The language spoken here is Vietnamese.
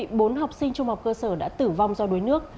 thưa quý vị bốn học sinh trung học cơ sở đã tử vong do đuối nước